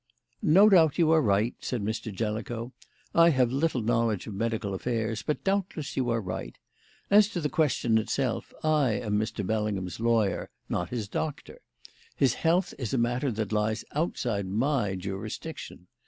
"No doubt you are right," said Mr. Jellicoe. "I have little knowledge of medical affairs, but doubtless you are right. As to the question itself, I am Mr. Bellingham's lawyer, not his doctor. His health is a matter that lies outside my jurisdiction.